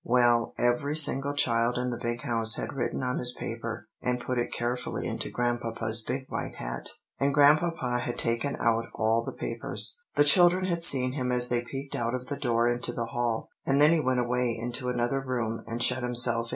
Well, every single child in the Big House had written on his paper, and put it carefully into Grandpapa's big white hat, and Grandpapa had taken out all the papers; the children had seen him as they peeked out of the door into the hall, and then he went away into another room and shut himself in.